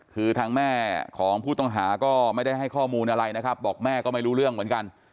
คือทางแม่ของผู้ต้องหาก็ไม่ได้ให้ข้อมูลอะไรนะครับบอกแม่ก็ไม่รู้เรื่องเหมือนกัน